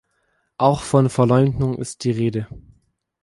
Auch von Verleumdung ist die Rede.